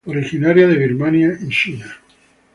Originaria de Birmania y China.